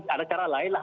ada cara lain lah